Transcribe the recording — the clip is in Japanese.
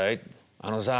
「あのさあ」。